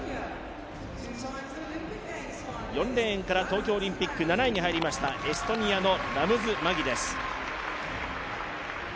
４レーンから東京オリンピック７位に入りましたエストニアのラムズ・マギです。